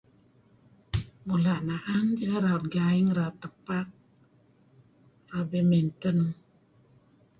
Mula' na'an teh raut, gaing, raut tepak, raut badminton.